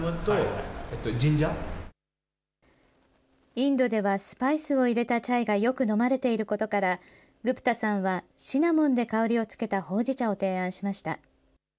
インドでは、スパイスを入れたチャイがよく飲まれていることから、グプタさんはシナモンで香りを付けたほうじ茶を提案しました。